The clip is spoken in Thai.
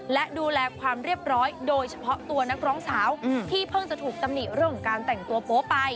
และดูแลความเรียบร้อยโดยเฉพาะตัวนักร้องสาวที่เพิ่งจะถูกตำหนิเรื่องของการแต่งตัวโป๊ไป